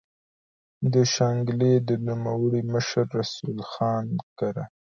د شانګلې د نوموړي مشر رسول خان کره